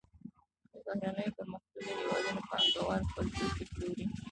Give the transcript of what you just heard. د بهرنیو پرمختللو هېوادونو پانګوال خپل توکي پلوري